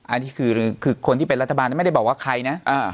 อันนี้คือคนที่เป็นรัฐบาลไม่ได้บอกว่าใครนะ